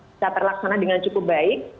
bisa terlaksana dengan cukup baik